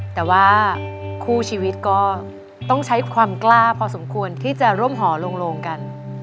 แต่ว่าคู่ชีวิตก็ต้องใช้ความกล้าพอสมควรที่จะร่วมหอลงกัน